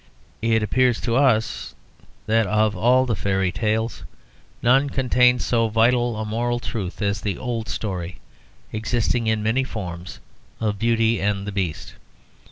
It appears to us that of all the fairy tales none contains so vital a moral truth as the old story, existing in many forms, of Beauty and the Beast.